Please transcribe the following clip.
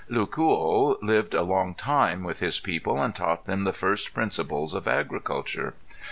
Lucuo lived a long time with his people and taught them the first principles of agriculture.